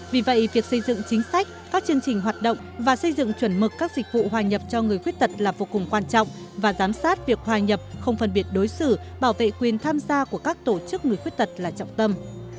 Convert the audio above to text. vì vậy việc xây dựng chính sách các chương trình hoạt động và xây dựng chuẩn mực các dịch vụ hòa nhập cho người khuyết tật là vô cùng quan trọng và giám sát việc hòa nhập không phân biệt đối xử bảo vệ quyền tham gia của các tổ chức người khuyết tật là trọng tâm